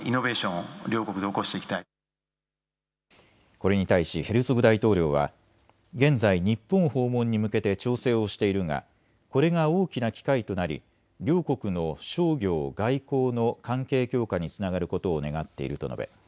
これに対しヘルツォグ大統領は現在、日本訪問に向けて調整をしているがこれが大きな機会となり両国の商業、外交の関係強化につながることを願っていると述べ